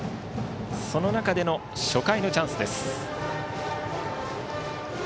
その中での初回のチャンスです。